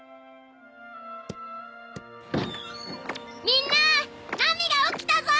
みんなナミが起きたぞ！